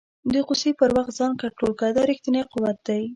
د غوسې پر وخت ځان کنټرول کړه، دا ریښتنی قوت دی.